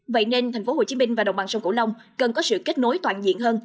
vậy nên tp hcm và đồng bằng sông cửu long cần có sự kết nối toàn diện hơn